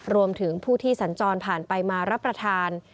รวมถึงผู้ที่สัญจรผ่านไปมารับประทาน